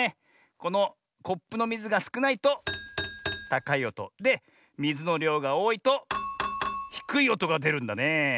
このコップのみずがすくないとたかいおと。でみずのりょうがおおいとひくいおとがでるんだねえ。